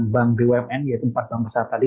bank bumn yaitu empat bank besar tadi